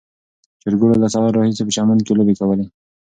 چرګوړو له سهار راهیسې په چمن کې لوبې کولې.